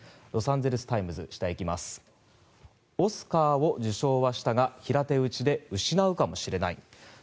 ロサンゼルス・タイムズはオスカーを受賞はしたが平手打ちで失うかもしれないと。